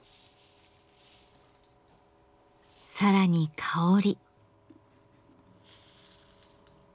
更に香り。